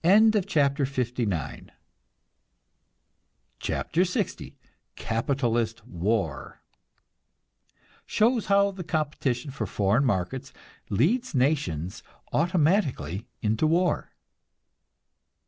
CHAPTER LX CAPITALIST WAR (Shows how the competition for foreign markets leads nations automatically into war.)